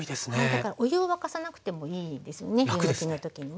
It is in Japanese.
だからお湯を沸かさなくてもいいですよね湯むきの時にね。